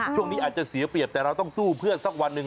ช่วงนี้อาจจะเสียเปรียบแต่เราต้องสู้เพื่อสักวันหนึ่ง